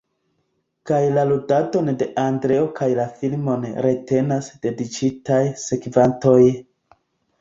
Kaj la ludadon de Andreo kaj la filmon retenas dediĉitaj sekvantoj.